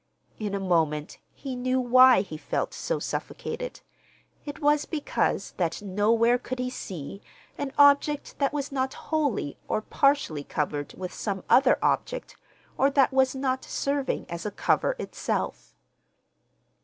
In a moment he knew why he felt so suffocated—it was because that nowhere could he see an object that was not wholly or partially covered with some other object, or that was not serving as a cover itself.